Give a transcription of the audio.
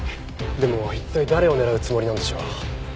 でも一体誰を狙うつもりなんでしょう？